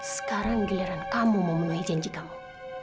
sekarang giliran kamu memenuhi janji kamu